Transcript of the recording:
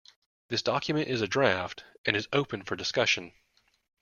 This document is a draft, and is open for discussion